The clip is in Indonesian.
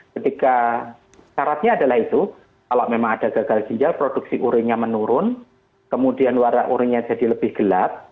ketika syaratnya adalah itu kalau memang ada gagal ginjal produksi urinnya menurun kemudian warna urinnya jadi lebih gelap